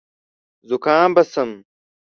زکام به شم .